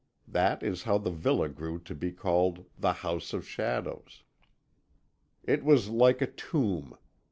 That is how the villa grew to be called The House of Shadows. "It was like a tomb.